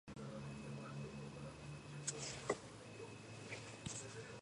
ამას კი მალე რეიკიავიკში ამერიკელ რობერტ ფიშერთან მარცხი და ტიტულის დაკარგვა მოჰყვა.